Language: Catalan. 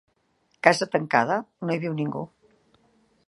Casa tancada, no hi viu ningú.